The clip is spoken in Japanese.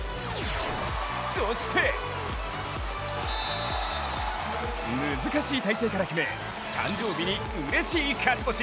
そして難しい体勢から決め、誕生日にうれしい勝ち星。